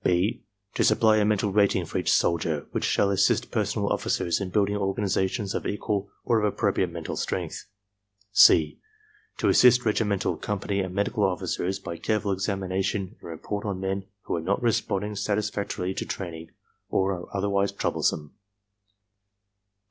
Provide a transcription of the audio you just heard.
(b) To supply a mental rating for each soldier which shall assist personnel officers in building organizations of equal or of appropriate mental strength. (c) To assist regimental, company and medical officers by i careful examination and report on men who are not responding \ satisfactorily to training, or are otherwise troublesome.